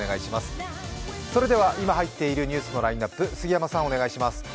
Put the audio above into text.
それでは今入っているニュースのラインナップ、お願いします。